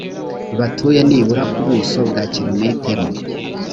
batuye nibura ku buso bwa kilometero